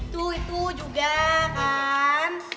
tuh itu juga kan